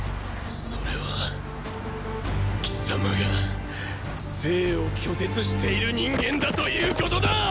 それは貴様が“生”を拒絶している人間だということだ！ーー！